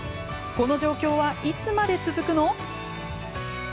この状況はいつまで続くの？